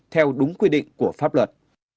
theo đúng quy định của pháp luật